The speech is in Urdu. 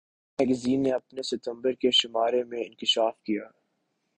ٹائم میگزین نے اپنے ستمبر کے شمارے میں انکشاف کیا